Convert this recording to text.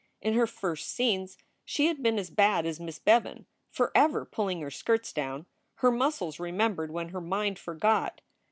In her first scenes she had been as bad as Miss Bevan, forever pulling her skirts down. Her muscles remembered when her mind forgot.